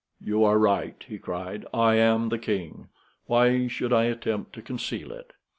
"You are right," he cried, "I am the king. Why should I attempt to conceal it?"